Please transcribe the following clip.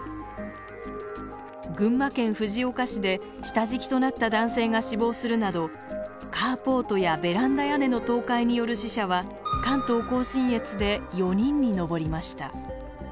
群馬県藤岡市で下敷きとなった男性が死亡するなどカーポートやベランダ屋根の倒壊による死者は関東甲信越で４人に上りました。